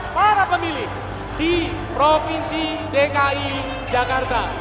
para pemilih di provinsi dki jakarta